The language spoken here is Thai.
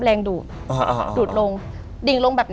แรงดูด